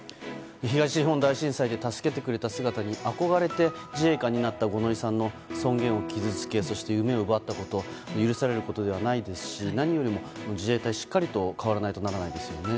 東日本大震災で助けてくれた姿に憧れて自衛官になった五ノ井さんの尊厳を傷つけそして夢を奪ったこと許されることではないですし何よりも自衛隊しっかりと変わらないとならないですよね。